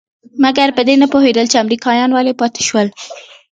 مګر په دې نه پوهېده چې امريکايان ولې پاتې شول.